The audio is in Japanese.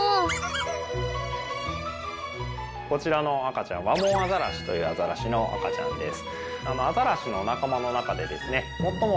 こちらの赤ちゃんワモンアザラシというアザラシの赤ちゃんです。